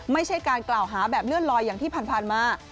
ไม่ใช่การกล่าวหาแบบเลื่อนลอยอย่างที่ผ่านมา